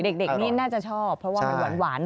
อร่อยเด็กนี่น่าจะชอบเพราะว่าหวาน